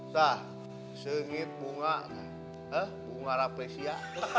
wah segit bunga bunga rapresia